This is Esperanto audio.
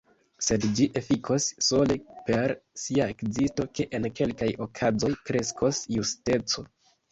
Sed ĝi efikos, sole per sia ekzisto, ke en kelkaj okazoj kreskos justeco.